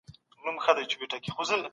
مشاورینو به د انسان د ژوند حق خوندي کړی وي.